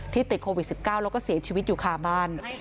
ติดโควิด๑๙แล้วก็เสียชีวิตอยู่คาบ้าน